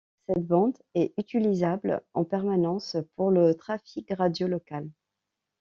Cette bande est utilisable en permanence pour le trafic radio local.